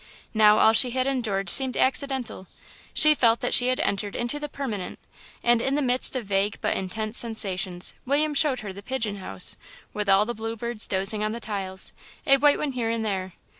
Now all she had endured seemed accidental; she felt that she had entered into the permanent; and in the midst of vague but intense sensations William showed her the pigeon house with all the blue birds dozing on the tiles, a white one here and there.